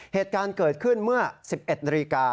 เหตุการณ์เกิดขึ้นเมื่อ๑๑นาฬิกา